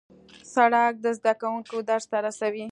سړک زدهکوونکي درس ته رسوي.